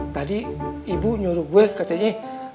tadi ibu nyuruh gue katanya